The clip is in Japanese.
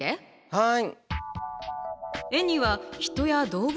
はい。